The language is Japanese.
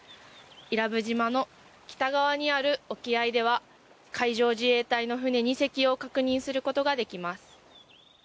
伊良部島の北側にある沖合では海上自衛隊の船２隻を確認することができます。